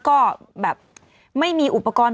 โปรดติดตามตอนต่อไป